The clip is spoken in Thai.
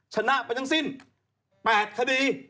ชนะไปทั้งสิ้น๘คดี